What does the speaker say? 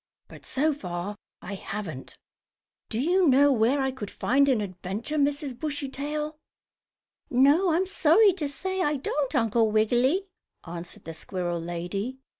But, so far, I haven't. Do you know where I could find an adventure, Mrs. Bushytail?" "No, I'm sorry to say I don't, Uncle Wiggily," answered the squirrel lady.